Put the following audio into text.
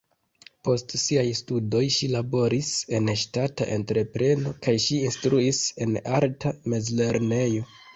Post siaj studoj ŝi laboris en ŝtata entrepreno kaj ŝi instruis en arta mezlernejo.